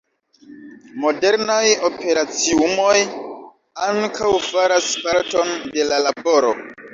Modernaj operaciumoj ankaŭ faras parton de la laboro.